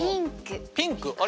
ピンク。